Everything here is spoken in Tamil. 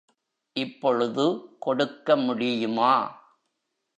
இப்பொழுது கொடுக்க முடியுமா?